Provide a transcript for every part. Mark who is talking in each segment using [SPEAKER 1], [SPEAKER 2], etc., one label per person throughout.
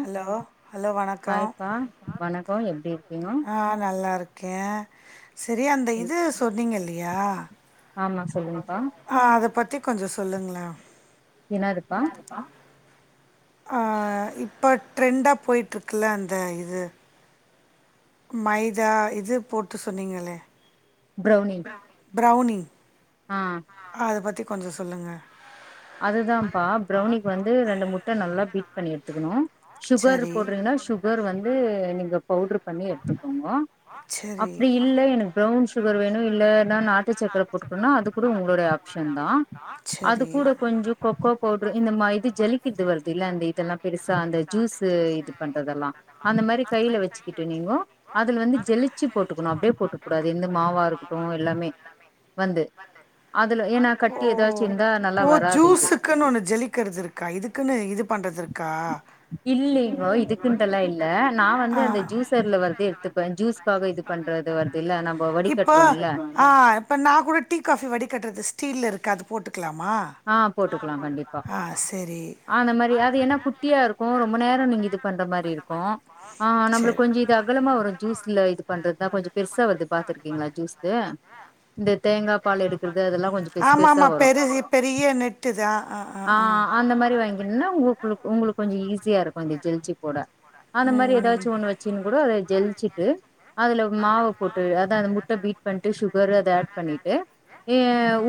[SPEAKER 1] Hello hello வணக்கோ
[SPEAKER 2] ஹாய்ப்பா வணக்கோ எப்டி இருக்கீங்க
[SPEAKER 1] ஆ, நல்லா இருக் கே சேரி அந்த இது சொன்னீங்க இல்லையா
[SPEAKER 2] ஆமா சொல்லுங் க்கா
[SPEAKER 1] ஆ அத பத்தி கொஞ்சோ சொல்லுங்களே
[SPEAKER 2] என்னதுப்பா
[SPEAKER 1] அ இப்போ ட்ரெண்டா போயிட்டுருக்குல அந்த இது மைதா இது போட்டு சொன்னீங்களே
[SPEAKER 2] ப்ரௌனி
[SPEAKER 1] ப்ரெளனி
[SPEAKER 2] ஆ
[SPEAKER 1] அத பத்தி கொஞ்சோ சொல்லுங்க
[SPEAKER 2] அதுதாப்பா ப்ரௌனிக்கு வந்து ரெண்டு முட்ட நல்லா பீட் எடுத்துக்கணு சுகர்
[SPEAKER 1] சரி
[SPEAKER 2] போடுறீங்கனா சுகர் வந்து நீங்க பவுடரு பண்ணி எடுத்துக்கோங்கோ
[SPEAKER 1] சரி
[SPEAKER 2] அப்டி இல்ல எனக்கு ப்ரவுன் சுகர் வேணு இல்ல நா நாட்டு சக்கர போட்டுக்குறனா அது கூட உங்களுடைய ஆஃப் ஷன் தா அது கூட கொஞ்சோ கோகோ பவுடரு இந்த மாரி இது ஜலிக்கிறது இது வருது இல்ல அந்த இதெல்லா பெருசா அந்த ஜூஸ் இது பண்றதெல்லா அந்த மாரி கையில வச்சுக்கிட்டு நீங்கோ அதுல வந்து ஜெலிச்சு போட்டுக்கணு அப்படியே
[SPEAKER 1] பவுடரா போட்டுக்கக்கூடாது இந்த மாவா இருக்கு எல்லாமே
[SPEAKER 2] வந்து அதுல ஏன்னா கட்டி ஏதாச்சிரு இருந்தா நல்லா வரா
[SPEAKER 1] ஜூஸ்க்குனு ஒண்ணு ஜலிக்கிறது இருக்கா இதுக்குனு பண்றது இருக்கா
[SPEAKER 2] இல்லலைங்கோ இதுக்குன்ட்டுலா இல்ல நா வந்து
[SPEAKER 1] ஆ
[SPEAKER 2] அந்த
[SPEAKER 1] நான்
[SPEAKER 2] ஜூசர்ல வருது எடுத்துப்பே ஜூஸ்காக இது பண்றது வருது இல்ல நம்ம
[SPEAKER 1] இப்போ
[SPEAKER 2] வடிகட்டுறோம் இல்ல
[SPEAKER 1] ஆ இப்போ நா கூட டீ காஃபி வடி கட்டுறது ஸ்டீல்ல இருக்கு அது போட்டுக்லாமா
[SPEAKER 2] ஆ போட்டுக்கலா கண்டிப்பா அ அந்த மாரி அது என்ன கு ட்டியா இருக்கு ரொம்ப நேரம் நீங்க இது பண்ற மாரி இருக்கு ஆ
[SPEAKER 1] சரி
[SPEAKER 2] நம்மளுக்கு கொஞ்சோ இது அகலமா வரு ஜூஸ்ல இது பண்றதுதா கொஞ்சோ பெருசா வருது பாத்துருக்கீங்ளா ஜூஸ் இந்த தேங்கா பால் எடுக்றது அதெல்லா கொஞ்சோ பெருசு
[SPEAKER 1] ஆமா
[SPEAKER 2] பெருசா
[SPEAKER 1] ஆமா
[SPEAKER 2] வரு
[SPEAKER 1] பெருசு பெரிய நெட்டுதா ஆ ஆ
[SPEAKER 2] ஆ அந்த மாரி வாங்கினும்னா உங்க உங்களுக்கு கொஞ்சோ ஈஸியா இருக்கு அந்த ஜலிச்சு போட அந்த மாதிரி ஏதாச்சும் ஒண்ணு வச்சன்னனு கூட அத ஜலிச்சுட்டு அதுல மாவ போட்டு அதா முட்ட பீட் பண்ணிட்டு சுகரு அத ஆட் பண்ணிட்டு ஏ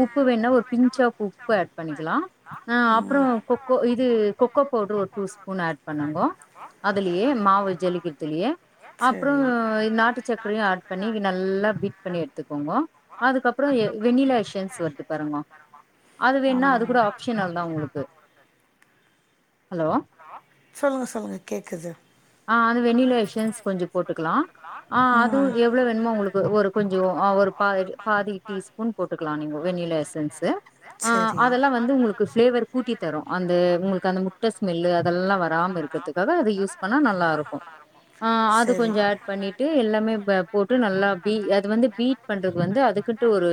[SPEAKER 2] உப்பு வேணுனா ஒரு பிஞ்சாப் உப்பு ஆட் பண்ணிக்கலா ஆ
[SPEAKER 1] ம்
[SPEAKER 2] அப்புறம்
[SPEAKER 1] ம்
[SPEAKER 2] கொக்கோ இது கொக்கோ பவுடரு ஒரு டூ ஸ்பூன் ஆட் பண்ணுங்கோ அதுலயே மாவு ஜலிகத்துலயே
[SPEAKER 1] சரி
[SPEAKER 2] அப்புறம் நாட்டு சக்கரையு ஆட் பண்ணி நல்லா பீட் பண்ணி எடுத்துக்கோங்க அதுக்கப்புறம் வெண்ணிலா எஷன்ஸ் வருது பாருங்க அது வேணுா அது கூட ஆப்ஷனல் தா உங்களுக்கு ஹலோ
[SPEAKER 1] ஹலோ சொல்லுங்க சொல்லுங்க கேக்குது
[SPEAKER 2] ஆ அது வெண்ணிலேஷன்ஸ் கொஞ்சம் போட்டுக்கலாம் ஆ அதுவு எவ்வளோ வேணுமோ உங்களுக்கு ஒரு கொஞ்ச ஒரு பாதி பாதி டீ ஸ்பூன் போட்டுக்கலா நீங்க வெண்ணிலா எசன்ஸ் ஆ
[SPEAKER 1] வெ
[SPEAKER 2] அதெல்லா வந்து உங்களுக்கு பிளேவர் கூட்டி தரும் அந்த உங்களுக்கு அந்த முட்ட ஸ்மெல் அதெல்லா வராம இருக்கிறதுக்காக அத யூஸ் பண்ணா நல்லா இருக்கும் அது
[SPEAKER 1] சரி
[SPEAKER 2] கொஞ்ச அட் பண்ணிட்டு எல்லாமே போட்டு நல்லா பீ அது வந்து பீட் பண்றது வந்து அதுக்குன்னு ஒரு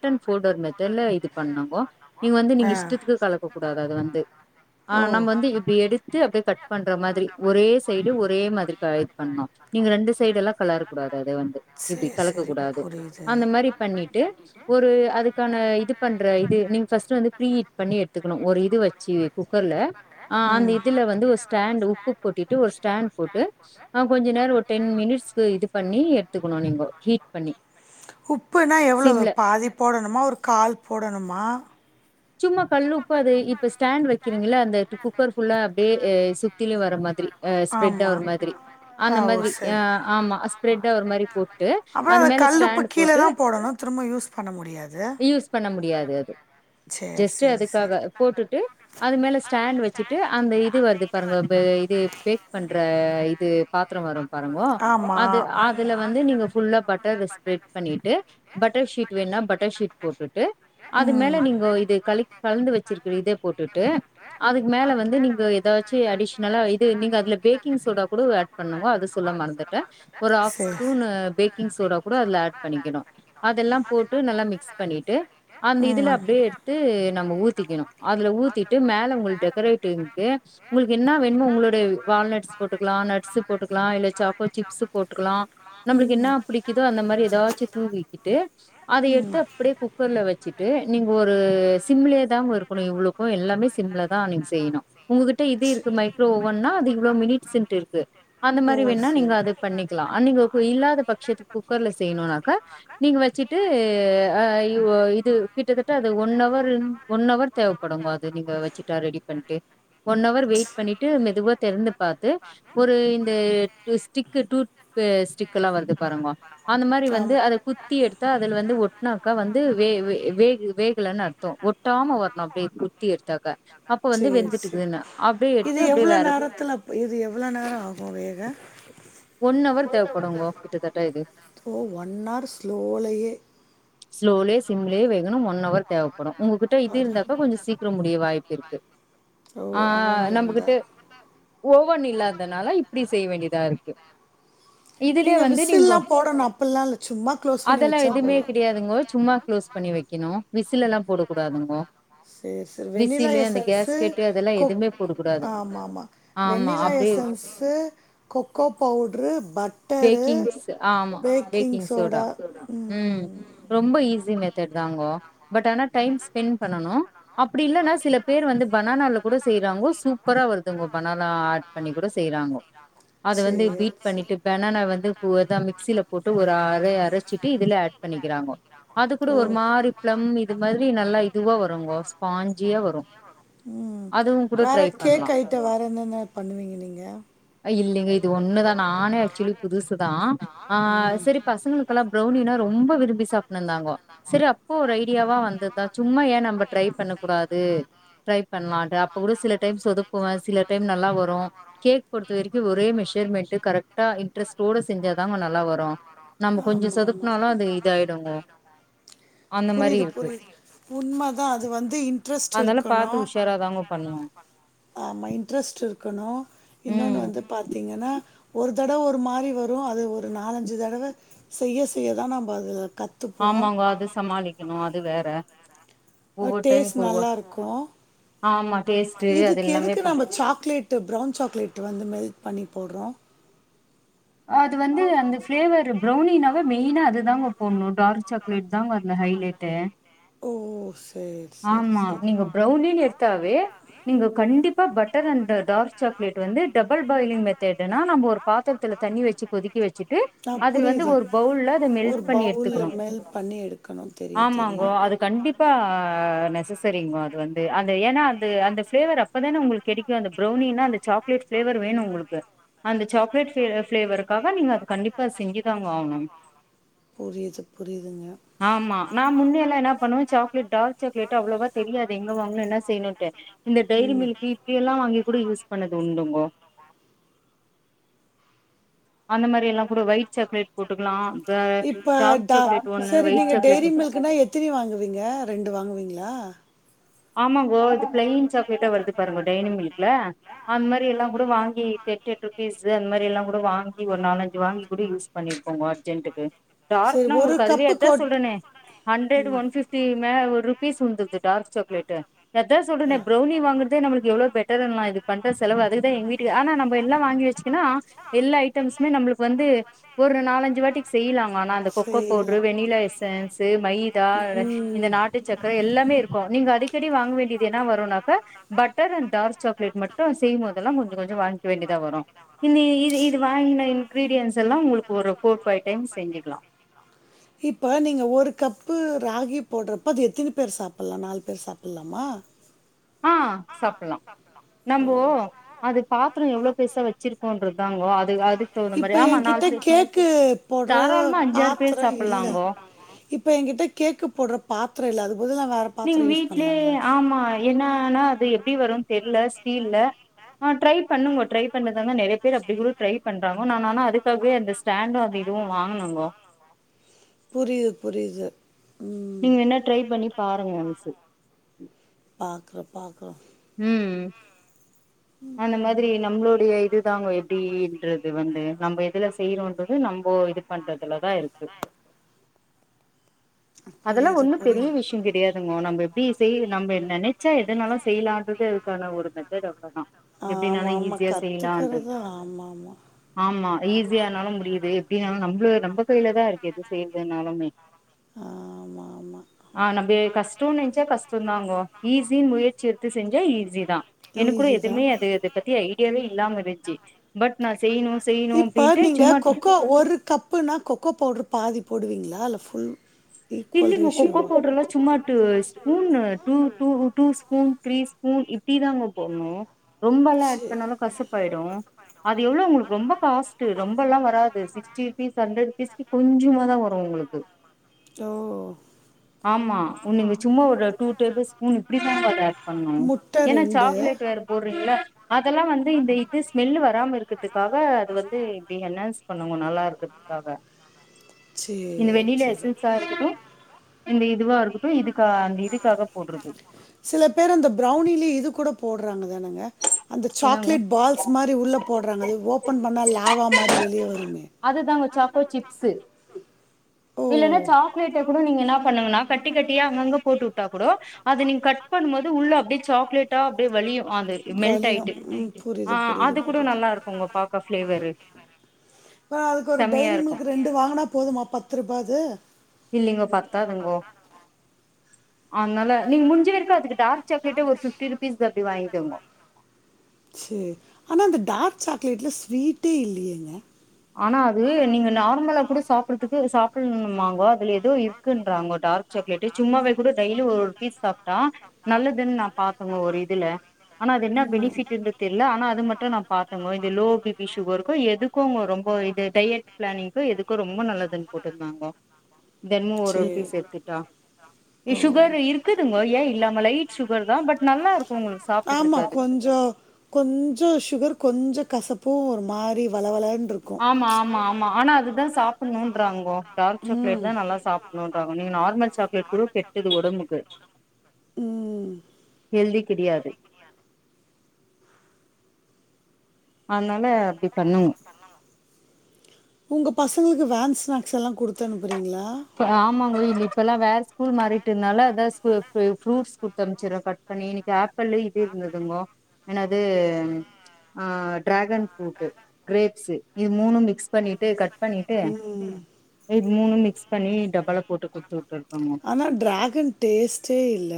[SPEAKER 2] ரிட்டன் போல்டர் மெத்தட்ல இது பண்ணாவோ நீங்க வந்து நீங்க
[SPEAKER 1] ஆ
[SPEAKER 2] இஷ்டத்துக்கு கலக்க கூடாது அது வந்து ஆ
[SPEAKER 1] ஓ
[SPEAKER 2] நம்ம வந்து இப்டி எடுத்து அப்டியே கட் பண்ற மாதிரி ஒரே சைடு ஒரே மாதிரி கலர் பண்ணு நீங்க ரெண்டு சைடு எல்லா கலர்க கூடாது அத வந்து இப்டி
[SPEAKER 1] சேரி
[SPEAKER 2] கலக்க
[SPEAKER 1] சேரி
[SPEAKER 2] கூடாது
[SPEAKER 1] புரியுது
[SPEAKER 2] அந்த மாதிரி பண்ணிட்டு ஒரு அது
[SPEAKER 1] அஹ்
[SPEAKER 2] அதுக்கான இது பண்ற இது நீங்க ஃபர்ஸ்ட்ட் வந்து ப்ரீ ஹீட் பண்ணி எடுத்துக்கணு ஒரு இது வச்சு குக்கர்ல ஆ அந்த
[SPEAKER 1] ம் ஆஹ்
[SPEAKER 2] இதுல வந்து ஒரு ஸ்டாண்ட் உப்பு போட்டிட்டு ஒரு ஸ்டாண்ட் போட்டு ஆ கொஞ்ச நேர ஒரு டென் மினிட்ஸ்க்கு இது பண்ணி எடுத்துக்கணு நீங்க ஹீட் பண்ணி
[SPEAKER 1] உப்புன்னா எவ்ளோ
[SPEAKER 2] சிம்ல
[SPEAKER 1] பாதி போடணுமா ஒரு கால் போடணுமா
[SPEAKER 2] சும்மா கல் உப்பு ‌அது இப்ப ஸ்டாண்ட் வைக்கிறீங்கள அந்த குக்கர் குள்ள அப்படியே சுத்திலேயு வர மாதிரி அ ஸ்ப்ரெட்
[SPEAKER 1] ஆமா
[SPEAKER 2] ஒரு மாதிரி அந்த
[SPEAKER 1] ஆ ஓ
[SPEAKER 2] மாதிரி
[SPEAKER 1] சரி
[SPEAKER 2] ஆ
[SPEAKER 1] மாதிரி
[SPEAKER 2] ஆமா ஸ்ப்ரெடா ஒரு மாதிரி போட்டு
[SPEAKER 1] அப்புறம்
[SPEAKER 2] அது
[SPEAKER 1] அந்த
[SPEAKER 2] மேல
[SPEAKER 1] கல்லுப்பு
[SPEAKER 2] ஸ்டாண்ட்
[SPEAKER 1] கீழே
[SPEAKER 2] போட்டு
[SPEAKER 1] தான் போடணும் திரும்ப யூஸ் பண்ண முடியாது
[SPEAKER 2] யூஸ் பண்ண முடியாது அது
[SPEAKER 1] சேரி
[SPEAKER 2] ஜஸ்ட்
[SPEAKER 1] சேரி
[SPEAKER 2] அதுக்காக
[SPEAKER 1] சேரி
[SPEAKER 2] போட்டுட்டு அது மேல ஸ்டாண்ட் வச்சுட்டு அந்த இது வருது பாருங்க இது பேக் பண்ணுற இது பாத்திர வரு பாருங்க
[SPEAKER 1] ஆமா
[SPEAKER 2] அது அதுல வந்து நீங்க ஃபுல்லா பட்டர் ஸ்ப்ரேட் பண்ணிட்டு பட்டர் வேணா பட்டர் ஷீட் போட்டுட்டு அது மேல
[SPEAKER 1] ம்
[SPEAKER 2] நீங்க இப்ப இது கலந்து வச்சிருக்கு இதே போட்டுட்டு அதுக்கு மேல வந்து நீங்க ஏதாச்சு அடிஷ்னல் இது நீங்க அதுல பேக்கிங் சோடா கூட அட் பண்ணவா அது சொல்ல மறந்துட்ட ஒரு ஹாப் ஸ்பூன் பேக்கிங் சோடா கூட அதுல ஆட் பண்ணிக்கணு அதெல்லா போட்டு நல்லா மிக்ஸ் பண்ணிட்டு அந்த
[SPEAKER 1] ம்
[SPEAKER 2] இதுல அப்படியே எடுத்து நம்ம ஊத்திக்கணு அதுல ஊத்திட்டு மேல உங்களுக்கு டெக்கரேட்வ் உங்களுக்கு என்ன வேணுமோ உங்களுடைய வால்நட்ஸ் போட்டுக்கலா நட்ஸ் போட்டுக்கலா இல்ல சாக்கோ சிப்ஸ் போட்டுக்கலா நம்மளுக்கு என்ன பிடிக்குதோ அந்த மாதிரி ஏதாச்சு தூவிக்கிட்டு அத எடுத்து அப்டியே குக்கர்ல வச்சிட்டு நீங்க ஒரு சிம்மலைய தா இருக்கணு இவ்வளுக்கு எல்லாமே சிம்ல தா நீங்க செய்யணு உங்ககிட்ட இது இருக்கு மைக்ரோ ஓவன்னா அது இவ்ளோ மினிட்ஸ்ன்ன இருக்கு அந்த மாதிரி வேணா நீங்க அது பண்ணிக்கலா அன்னைக்கு இல்லாத பட்சத்துக்கு குக்கர்ல செய்யணும்னாக்கா நீங்க வச்சிட்டு அ இது கிட்டத்த ட்ட அது ஒன் ஹவர் ஒன் ஹவர் தேவப்படுங்க அது நீங்க வச்சுட்டா ரெடி பண்ணிட்டு ஒன் அவர் வெயிட் பண்ணிட்டு மெதுவா திறந்து பார்த்து ஒரு இந்த ஸ்டிக் டூ ஸ்டிக் எல்லா வருது பாருங்க அந்த மாதிரி வந்து
[SPEAKER 1] ஆமாம்
[SPEAKER 2] அத குத்தி எடுத்தா அது வந்து ஒட்னாக்கா வந்து வேகு வேகு வேகலைன்னு அர்த்தம் ஒட்டாம வர்ணு அப்டியே குத்தி எடுத்தாக்க
[SPEAKER 1] செர் செ இது
[SPEAKER 2] அப்டியே
[SPEAKER 1] எவ்ளோ
[SPEAKER 2] வேற
[SPEAKER 1] நேரத்துல இது எவ்ளோ நேரொம் ஆகு வேக
[SPEAKER 2] ஒன் ஹவர் தேவப்படுங்க கிட்டத்தட்ட இது
[SPEAKER 1] ஓ ஒன் ஹார் ஸ்லோலயே
[SPEAKER 2] ஸ்லோலயே சிம்லேயே வேகணு ஒன் ஹவர் தேவைப்படு உங்ககிட்ட இது இருந்தாக்கா கொஞ்ச சீக்கிர முடிய வாய்ப்பு இருக்கு
[SPEAKER 1] ஓ
[SPEAKER 2] ஆ
[SPEAKER 1] அவன் இருந்தா
[SPEAKER 2] நம்மகிட்ட ஓவன் இல்லாதனால இப்டி செய்ய வேண்டியதா இருக்கு இதுலயே
[SPEAKER 1] நீங்கள்
[SPEAKER 2] வந்து நீங்கோ
[SPEAKER 1] விசில்லாம் போடணும் அப்படிலாம் இல்லை சும்மா க்ளோஸ் பண்ணி
[SPEAKER 2] அதெல்லா
[SPEAKER 1] வச்சா
[SPEAKER 2] எதுவுமே
[SPEAKER 1] போதும்
[SPEAKER 2] கிடையாதுங்கோ சும்மா க்ளோஸ் பண்ணி வைக்கணு விசிலெல்லா போடக்கூடாதுங்கோ
[SPEAKER 1] செர் செ வெண்ணிலா
[SPEAKER 2] விசிலு அந்த
[SPEAKER 1] எசன்ஸ்
[SPEAKER 2] கேஸ்கெட்டு அதெல்லா
[SPEAKER 1] கோக்
[SPEAKER 2] எதுவுமே போடக்கூடாது
[SPEAKER 1] ஆமா ஆமா
[SPEAKER 2] ஆமா
[SPEAKER 1] வெண்ணிலா
[SPEAKER 2] அப்டியே
[SPEAKER 1] essence, cocoa powder, butter, baking soda ம்
[SPEAKER 2] ரொம்ப ஈஸி மெத்தட் தாங்கோ பட் ஆனா டைம் ஸ்பெண்ட் பண்ணனு அப்டி இல்லன்னா சில பேர் வந்து பனானால கூட செய்றாங்கோ சூப்பரா வருதுங்கோ பனனா ஆட் பண்ணி கூட செய்றாங்கோ
[SPEAKER 1] செர் செ
[SPEAKER 2] பெனானா வந்து பூ அதா மிக்சியில போட்டு ஒரு அரை அரச்சிட்டு இதுல ஆட் பண்ணிக்கிறாங்கோ அது கூட ஒரு மாரி ஃபிளாம் இது மாதிரி நல்லா இதுவா வரும்ங்கோ ஸ்பாஞ்சியா வரும்
[SPEAKER 1] ம்
[SPEAKER 2] அதுவும் கூட
[SPEAKER 1] வேற
[SPEAKER 2] ட்ரை பண்லா
[SPEAKER 1] கேக் ஐட்டம் வேறு என்னன்னு பண்ணுவீங்க நீங்க
[SPEAKER 2] அ இல்லைங்க இது ஒன் னுதா நானே ஆக்சுவலி புதுசுதான் ஆ செரி பசங்களுளுக்கு எல்லாம் பிரௌன்னினா ரொம்ப விரும்பி சாப்டனு இருந்தாங்கோ சேரி அப்போ ஒரு ஐடியாவா வந்ததுதான் சும்மா ஏன் நம்ம ட்ரை பண்ண கூடாது ட்ரை பண்ணலான் இன்ட்டு அப்ப கூட சில டைம் சொதுப்பும் சில டைம் நல்லா வரும் கேக் பொறுத்த வரைக்கும் ஒரே மெஷர்மெண்ட் கரெக்டா இன்டரஸ்டோட இன்ட்ரெஸ்ட் ஓட செஞ்சாதாங்க நல்லா வரும் நம்ம
[SPEAKER 1] ஆமா
[SPEAKER 2] கொஞ்சம்
[SPEAKER 1] ஆமா
[SPEAKER 2] சொதுப்புனாலும் அது இதா ஆயிடுங்க
[SPEAKER 1] புரியுது புரியுது உண்ம தான் அது வந்து இன்ட்ரெஸ்ட் இருக்கணும்
[SPEAKER 2] சூப்பரா தாங்க பண்ணுவோ
[SPEAKER 1] ஆமா இன்ட்ரெஸ்ட் இருக்கணும் இன்னொன்னு
[SPEAKER 2] ம்.
[SPEAKER 1] வந்து பாத் தீங்கன்னா ஒரு தடவ ஒரு மாரி வரும் அது ஒரு நாலஞ்சு தடவ செய்ய செய்யதான் நம்ப அது கத்
[SPEAKER 2] ஆமாங்கோ அது சமாளிக்கணும் அது வேற
[SPEAKER 1] அ
[SPEAKER 2] ஒவ்வொரு
[SPEAKER 1] டேஸ்ட்
[SPEAKER 2] டைமுக்கு ஒவ்வொ
[SPEAKER 1] நல்லா இருக்கும்
[SPEAKER 2] ஆமா டேஸ்ட்டு அது
[SPEAKER 1] இதுக்கு
[SPEAKER 2] எல்லாமே
[SPEAKER 1] எதுக்கு நம்ம சாக்லேட் ப்ரௌன் சாக்லேட் வந்து மெல்ட் பண்ணி போட்றோம்
[SPEAKER 2] அது வந்து அந்த ஃப்ளேவர் பிரௌணினாவே மெயினா அதுதாங்க போட்ணும் டார்க் சாக் லேட் தாங்க அதுல ஹைலைட்
[SPEAKER 1] ஓ சேரி சேரி சேரி ஆமா நீங்க
[SPEAKER 2] ப்ரௌனின்னு
[SPEAKER 1] பிரௌணின்
[SPEAKER 2] எடுத்தாவே,
[SPEAKER 1] எடுத்தா
[SPEAKER 2] நீங்க கண்டிப்பா பட்டர் அண்ட் டார்க் சாக்லேட் வந்து டபுள் பாயிலிங் மெத்தட்டுனா நம்ம ஒரு பாத்தரத்த ல தண்ணி வச்சு கொதிக்க வச்சுட்டு
[SPEAKER 1] ஆ
[SPEAKER 2] அதில் வந்து
[SPEAKER 1] புரியுது
[SPEAKER 2] ஒரு பவுல்ல அத மெல்ட்
[SPEAKER 1] ஒரு
[SPEAKER 2] பண்ணி
[SPEAKER 1] பவுல்ல
[SPEAKER 2] எடுத்துக்கணும்
[SPEAKER 1] மெல்ட் பண்ணி எடுக்கணும் தெரியும்
[SPEAKER 2] ஆமாங்கோ
[SPEAKER 1] தெரியும்
[SPEAKER 2] அதுக் கண்டிப்பா நெசசரிங்கோ அது வந்து அந்த ஏன்னா அது அந்த ஃபிளவர் அப் ப்ப தான உங்ளுக்கு கிடைக்கும் அந்த பிரௌணினா அந்த சாக்லேட் ஃபிளவர் வேணும் உங்ளுக்கு அந்த சாக்லேட் ஃபிளே ஃபிளேவருக்காக நீங்க அது கண்டிப்பா செஞ்சுதாங்க ஆகணும்
[SPEAKER 1] புரியது புரியுதுங்க
[SPEAKER 2] ஆமா நா முன்னே எல்லாம் என்ன பண்ணுவேன் சாக்லட் டார்க் சாக்லேட்டு அவ்ளோவா தெரியாது எங்க வாங்கணும் என்ன செய்யணும்ட்டு இந்த டைரி மில்கு இப்டி எல்லாம் வாங்கி கூட யூஸ் பண்ணது உண்டுங்க அந்த மாரி எல்லா கூட ஒயிட் சாக்லேட் போட்டுக்கலா ப
[SPEAKER 1] இப்ப
[SPEAKER 2] டார்க்
[SPEAKER 1] ட
[SPEAKER 2] சாக்லேட் ஒண்ணு
[SPEAKER 1] சேரி
[SPEAKER 2] ஒயிட்
[SPEAKER 1] நீங்க
[SPEAKER 2] சாக்லேட்
[SPEAKER 1] டெய்ரி மில்க் குன்னா எத்துனி வாங்குவீங்க ரெண்டு வாங்கவீங்களா
[SPEAKER 2] ஆமாங்கே இது பிளைன் சாக்லேட்டா வருது பாருங்கோ டெய்னி மில்க்ல அந்த மாரில்லா கூட வாங்கி டெட்டெட் ரூப்பிஸ் அந்மாரியெல்லா கூட வாங்கி ஒரு நால்லஞ்சி வாங்கி கூட யூஸ் பண்ணிருக்கோங்க அர்ஜென்ட்டுக்கு
[SPEAKER 1] சரி
[SPEAKER 2] டார்க்னா
[SPEAKER 1] ஒரு
[SPEAKER 2] உக்குளுக்கு
[SPEAKER 1] கப்புக்கு
[SPEAKER 2] அதுவே
[SPEAKER 1] அதான்
[SPEAKER 2] சொல்றேன்னே ஹண்டர்ட் ஒன் ஃபிஃப் டி மே ஒரு பீஸ் வந்துது டார்க் சாக்லேட்டு அத சொல்றேனே ப்ரௌனி வாங்கறதே நம்மளுக்கு எவ்ளோ பெட்டர்ன்லா இது பண்ற செலவு அதுக்குதா எங்க வீட் ட்டு ஆனா நம்ம எல்லா வாங்கி வச்சிகன்னா எல்லா ஐட்டம்ஸ்மே நம்மளுக்கு வந்து ஒரு நாலஞ்சி வாட்டி செய்லாங்க ஆனா அந்த கொக்கோ பவுட்ரு வெண்ணிலா
[SPEAKER 1] செய்யலா
[SPEAKER 2] எசன்ஸ்சு மைதா இந்த
[SPEAKER 1] ம்
[SPEAKER 2] நாட்டு சக்கரை எல்லாமே இருக்கு நீங்க அடிக்கடி வாங்க வேண்டியது என்ன வரும்னாக்கா பட்டர் அண் டார்க் சாக்லேட் மட்டு செய்யும் பொதெல்லா கொஞ்சோ கொஞ்சோ வாங்கி வேண்டிதா வரும் இ இது இது வாங்கின இன்கிரீடியன்ஸெல்லா உங்களுக்கு ஒரு ஃபோர் பைவ் டைம்ஸ் செஞ்சிகலா
[SPEAKER 1] இப்ப நீங்க ஒரு கப்பு ராகி போடுறப்ப அது எத்தன பேர் சாப்பில்லா நாலு பேர் சாப்பில்லாமா
[SPEAKER 2] ஆ சாப்புல்லா
[SPEAKER 1] ஓ
[SPEAKER 2] நம்போ அது பாத்தரோ எவ்ளோ பெருசா வச்சிருக்கோன்றது தாங்கோ அது அதுக்
[SPEAKER 1] இப்போ எங்கிட்ட கேக்கு போடுற
[SPEAKER 2] தாராளமா அஞ்சாறு பேர்
[SPEAKER 1] பாத்தரோ இல்ல
[SPEAKER 2] சாப்பலாங்கோ
[SPEAKER 1] இப்போ எங்கிட்ட கேக்கு போடுற பாத்தரோ இல்ல அதுக் பதிலா வேற
[SPEAKER 2] நீங்க
[SPEAKER 1] பாத்திரம் யூஸ்
[SPEAKER 2] வீட்லயே
[SPEAKER 1] பண்ணலாங்களா
[SPEAKER 2] ஆமா என்னான்னா அது எப்டி வரு தெர்ல ஸ்டில்ல ஆ ட்ரை பண்ணுங்கோ ட்ரை பண்ணதாங்கோ நறைய பேர் அப்டி கூட ட்ரை பண்றாங்க நா ஆனா அதுக்காகவே அந்த ஸ்டாண்டு அந்த இதுவு வாங்கனங்கோ
[SPEAKER 1] புரியுது புரியுது ம்
[SPEAKER 2] நீங்க வேணா ட்ரை பண்ணி பாருங்க ஒன்ஸு
[SPEAKER 1] பாக்கறே பாக்லா
[SPEAKER 2] ம் அந்த மாதிரி நம்மளுடைய இதுதாங்க எப்டின்றது இது வந்து நம்ம இதுல செய்றோன்றது நம்ம இது பண்றதுலதாருக்கு அதெல்லா
[SPEAKER 1] புரியுது
[SPEAKER 2] ஒண்ணு பெரிய
[SPEAKER 1] புரியுது
[SPEAKER 2] விஷ்யே கெடையாதுங்கோ நம்ம எப்டி செய் நம்ம நெனை ச்சா எதனாலு செய்லான்றது அதுக்கான ஒரு மெத்தேடு அவ்ளோதா
[SPEAKER 1] ஆமா
[SPEAKER 2] எப்டினாலு
[SPEAKER 1] ஆமா
[SPEAKER 2] ஈஸியா செய்லான்றது
[SPEAKER 1] கத்துக்கறது ஆமா ஆமா
[SPEAKER 2] ஆமா ஈஸியானாலு முடியுது எப்டின்னாலு நம்மள நம்ப கைல தா இருக்குது எது செய்யறதுனாலுமே
[SPEAKER 1] ஆமாமா
[SPEAKER 2] ஆ நம்ப கஷ்டோன் நெனைச்சா கஷ்டோதாங்கே ஈஸின்னு முயற்சி எடுத்து செஞ்சா ஈஸிதா எனக்கு கூடே
[SPEAKER 1] ஈஸி தான்
[SPEAKER 2] எதுமே அது அத பத்தி ஐடியாவே இல்லாம இருச்சி
[SPEAKER 1] இப்ப நீங்க
[SPEAKER 2] சும்மா
[SPEAKER 1] கொக்கோ ஒரு கப்புனா கொக்கோ பவுட்ரு பாதி போடுவீங்ளா இல்ல ஃபுல் ஈக்குவல்
[SPEAKER 2] இல்லிங்கோ கொக்கோ
[SPEAKER 1] ரேஷியோவா
[SPEAKER 2] பவுடர்லா சும்மாட்டு ஸ்பூன்னு two two two spoon three spoon இப்டி தாங்கோ போட்ணு ரொம்பல்லா ஆட்
[SPEAKER 1] சரி
[SPEAKER 2] பண்ணாலு கசப்பாயிடு அது எவ்ளோ ஒங்களுக்கு ரொம்ப காஸ்ட் ரொம்பல்லா வராது சிகஸ்டி ருபீஸ் செவன்டி ருபீஸ்க்கு கொஞ்சமாதா வரு ஒங்களுக்கு
[SPEAKER 1] ஓ
[SPEAKER 2] ஆமா நீங்க சும்மா ஒரு டூ டேபிள் ஸ்பூன் இப்டிதாங்க அத ஆட் பண்ணு
[SPEAKER 1] முட்டை
[SPEAKER 2] ஏன்னா
[SPEAKER 1] ரெண்டு
[SPEAKER 2] சாக்லேட் வேற போட்றீங்கள அதெல்லா வந்து இந்த இது ஸ்மெல் வராம இருக்கறதுக்காக அது வந்து இப்டி என்னான்ஸ் பண்வாங்க நல்லா இருக்கர்துக்காக
[SPEAKER 1] சரி
[SPEAKER 2] இந்த வெணிலா
[SPEAKER 1] சரி
[SPEAKER 2] எஸன் ம் இந்த இதுவாருக்கட்டு இதுக்கா அந்த இதுக்காக போட்ருக்குது
[SPEAKER 1] சில பேர் அந்த பிரௌனிலே இது கூட போடுறாங்கதானங்க அந்த
[SPEAKER 2] என்னங்க
[SPEAKER 1] சாக்லேட் பால்ஸ் மாரி உள்ள போடுறாங்க அது ஓபன் பண்ணா லாவா மாரி வெளியே வருமே
[SPEAKER 2] அதுதாங்க சாக்கோ சிப்ஸு
[SPEAKER 1] ஓ
[SPEAKER 2] இல்லன்னா சாக்லேட்ட கூட நீங்க என்ன பண்ணுங்கன்னா கட்டி கட்டியா அங்கங்க போட்டு உட்டா கூடோ அது நீங்க கட் பண்ணுபோது உள்ள அப்டியே சாக்லேட் டா அப்டியே வழியு அது மெல்ட்
[SPEAKER 1] வலிய வலியும்
[SPEAKER 2] ஆயிட்டு
[SPEAKER 1] ம்,
[SPEAKER 2] ஆ
[SPEAKER 1] புரியுது புரியுது
[SPEAKER 2] அது கூட
[SPEAKER 1] புரியுது
[SPEAKER 2] நல்லா இருக்குங்க பாக்க ஃப்ளேவரு
[SPEAKER 1] அ அதுக்கு ஒரு டைரி மில்க்கு ரெண்டு வாங்னா போதுமா பத்து ரூபாது
[SPEAKER 2] இல்லிங்கோ பத்தாதுங்கோ அதனால நீங்க முடிஞ்ச வரக்கு அதுக்கு டார்க் சாக்லேட்டே ஒருஃபிப்டி ருபீஸ் அப்டி வாங்கிக்கோங்கோ
[SPEAKER 1] செரி ஆனா அந்த டார்க் சாக்லேட்ல ஸ்வீட்டே இல்லியேங்க
[SPEAKER 2] ஆனா அது நீங்க நார்மலா கூட சாப்ட்றதுக்கு சாப்பிடணுமாங்கோ அதுல ஏதோ இர்க் குங்ன்றாங்கோ டார்க் சாக்லேட் சும்மாவ கூட டெய்லி ஒரு பீஸ் சாப்ட்டா நல்லதுன்னு நா பாத்
[SPEAKER 1] ஆமா அது [inaudible]
[SPEAKER 2] ஆனா அது என்னா பெனிஃபிட்ன்னு தெரில ஆனா அது மட்டு நா பாத்தங்கோ இந்த லோ பி பி சுகருக்கோ எதுக்கோ ரொம் இப்போ இது டயட் பிளானிக்கோ எதுக்கொ ரொம்ப நல்லதுன்னு போட்ருந்தாங்கோ தெனமு ஒரு ஒரு
[SPEAKER 1] சரி
[SPEAKER 2] பீஸு எடுத்துட்டா
[SPEAKER 1] ஓ
[SPEAKER 2] சுகரு இருக்குதுங்கோ ஏ இல்லாம லைட் சுகர் தா பட் நல்லா இருக்கு ஒங்களுக்கு சாப்டறதுக்கு
[SPEAKER 1] அ
[SPEAKER 2] அது
[SPEAKER 1] கொஞ்சொ கொஞ்சொ சுகர் கொஞ்சொ கசப்பு ஒரு மாரி வளவளன்ருக்
[SPEAKER 2] ஆமா ஆமா ஆமா ஆனா அதுதா சாப்டணுன்றாங்கோ டார்க் சாக்லேட் தா நல்லா சாப் னூன்றாங்கோ நீங்க நார்மல் சாக்லேட் கூட கெட்டது ஒடம்புக்கு
[SPEAKER 1] ம்
[SPEAKER 2] ஹெல்தி கிடையாது அதனால அப்டி பண்ணுங்கோ
[SPEAKER 1] ஒங்க பசங்களுக் வேன் ஸ்நாக்ஸ்ல்லா குடுத்தனுப்புறீங்ளா
[SPEAKER 2] ஆமாங்கோ இங்க இப்பல்லா வேற ஸ்கூல் மாறிட்டு இருந்தால அதாவது ஸ்ப் ப் ஃப்ரூட்ஸ் குடுத்த அமைச்சருவே கட் பண்ணி இன்னிக்கு ஆப் பல்ல இது இருந்ததுங்கோ என்னாது ஆ டிராகன் ஃப்ரூட் கிரேப்ஸ் இது மூணும் மிக்ஸ் பண்ணிட்டு கட் பண்ணிட்டு
[SPEAKER 1] ம்
[SPEAKER 2] இது மூணு மிக்ஸ் பண்ணி டப்பால போட்டு குடுத்து விட்டுருக்கோங்க
[SPEAKER 1] ஆனா டிராகன் டேஸ்ட்டே இல்ல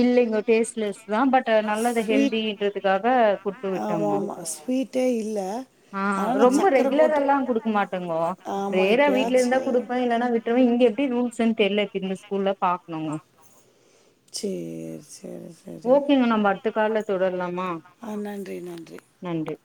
[SPEAKER 2] இல்லிங்கோ டேஸ்ட்லெஸ் தா பட் நல்லது
[SPEAKER 1] ஸ்வீட்
[SPEAKER 2] ஹெல்தின்றதுக்காக குடுத்து விட்
[SPEAKER 1] ஆமா ஆமா ஸ்வீ ட்டே இல்ல
[SPEAKER 2] ஆ ரொம்ப ரெகுலர் எல்லா கொடுக்க மாட்டேங்கோ
[SPEAKER 1] ஆமா
[SPEAKER 2] ரேரா வீட்ல இருந்தா
[SPEAKER 1] எப்பயாச்சும்
[SPEAKER 2] குடுப்பே இல்லன்னா விட் ருவே இங்க எப்டி ரூல்ஸ்ன் தெர்ல எப்டி இந்த ஸ்கூல்ல பாக்கனுங்கோ
[SPEAKER 1] செரி செரி சரி
[SPEAKER 2] நம்ம அடுத்த கால்ல தொடரலாமா
[SPEAKER 1] ஆ நன்றி நன்றி
[SPEAKER 2] நன்றி